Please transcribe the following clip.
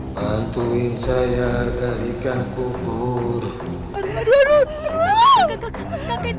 bantuin saya galikan kubur aduh aduh aduh kakek cangkul